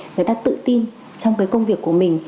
người ta tự tin trong cái công việc của mình